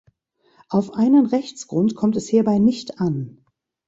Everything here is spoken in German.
Auf einen Rechtsgrund kommt es hierbei nicht an.